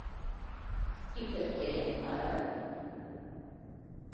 I per què ara?